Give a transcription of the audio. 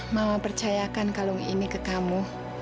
mama percayakan kalung ini ke kamu